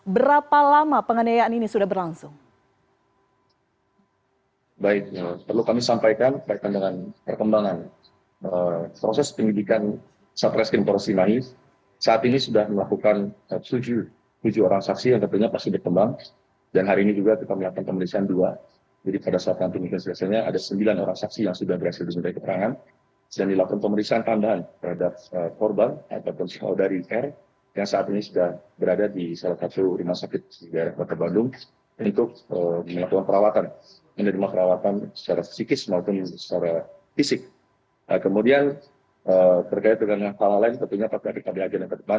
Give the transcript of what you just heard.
berapa lama penganiayaan ini sudah berlangsung